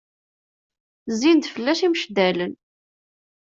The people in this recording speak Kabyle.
Zzin-d fell-as imceddalen.